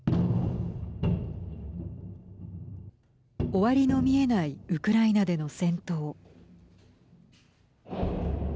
終わりの見えないウクライナでの戦闘。